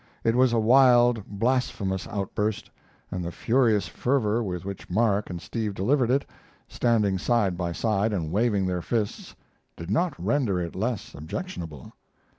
It was a wild, blasphemous outburst, and the furious fervor with which Mark and Steve delivered it, standing side by side and waving their fists, did not render it less objectionable.